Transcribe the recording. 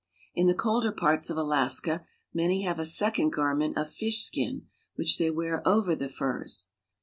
In the colder parts of Alaska many have a second garment of fishskin, which they wear over the furs.